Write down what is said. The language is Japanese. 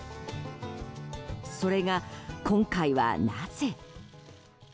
それが今回は、なぜ？